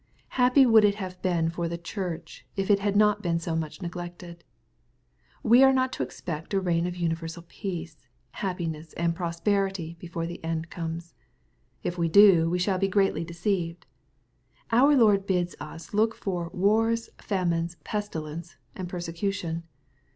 Happy would it have been for the Church, if it had not been so much neglected. We are not to expect a reign of universal peace, happiness, and prosperity, before the end comes. ^ If we do, we shall be greatly deceived. Our Lord bids us look for " wars, famines, pestilence," and persecution.